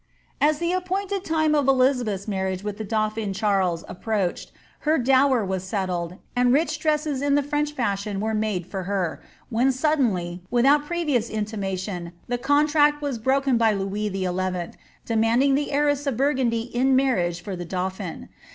As the appointed time of Elizabeth's marriage with the dauphin Charles approached, her dower was settled, and rich dresses in the French fiishion were made for her, when suddenly, without any pre vious intimation, the contract was broken by Louis XL demanding the heiress o( Buigundy in nuurriage for the dauphin.